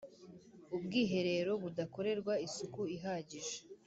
ubwiherero budakorerwa isuku ihagije